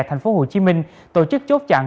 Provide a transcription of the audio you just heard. thành phố hồ chí minh tổ chức chốt chặn